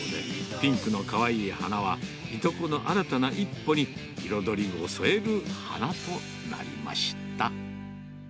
ピンクのかわいい花は、いとこの新たな一歩に、彩りを添える花となりました。